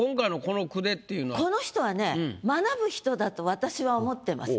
この人はね学ぶ人だと私は思ってます。